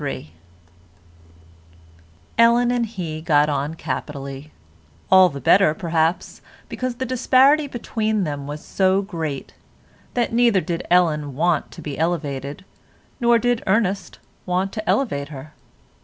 CHAPTER LXXIII Ellen and he got on capitally, all the better, perhaps, because the disparity between them was so great, that neither did Ellen want to be elevated, nor did Ernest want to elevate her.